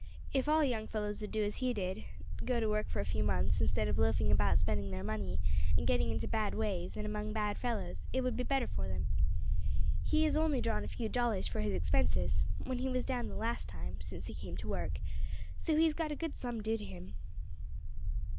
If all young fellows would do as he did, go to work for a few months, instead of loafing about spending their money, and getting into bad ways, and among bad fellows, it would be better for them; he has only drawn a few dollars for his expenses when he was down the last time since he came to work, so he has got a good sum due to him.